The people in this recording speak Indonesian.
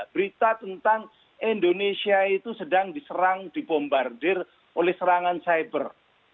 berita tentang indonesia itu sedang diserang dibombardir oleh serangan cyber